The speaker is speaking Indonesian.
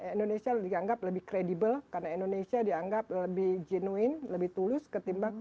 indonesia dianggap lebih kredibel karena indonesia dianggap lebih genuin lebih tulus ketimbang